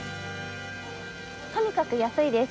とにかく安いです。